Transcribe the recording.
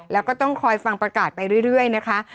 แล้วก็ต้องคอยฟังประกาศไปเรื่อยนะคะ